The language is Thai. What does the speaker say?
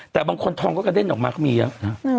แต่บางคนทองก็กระเด้นออกมาก็มีเยอะนะ